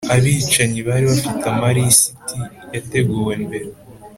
abicanyi bari bafite amalisiti yateguwe mbere